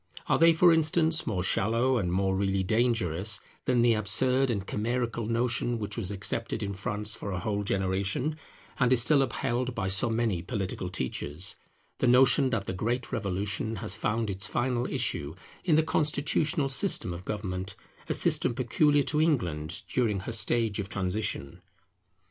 Are they, for instance, more shallow and more really dangerous than the absurd and chimerical notion which was accepted in France for a whole generation, and is still upheld by so many political teachers; the notion that the great Revolution has found its final issue in the constitutional system of government, a system peculiar to England during her stage of transition?